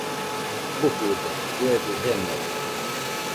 Bujude, lloebɨ jenode